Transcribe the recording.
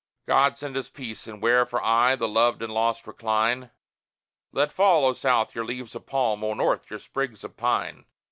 God send us peace! and where for aye the loved and lost recline Let fall, O South, your leaves of palm, O North, your sprigs of pine!